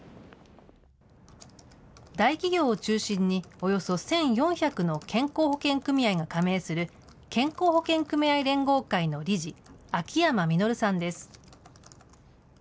大企業を中心に、およそ１４００の健康保険組合が加盟する健康保険組合連合会の理事、秋山実さんです。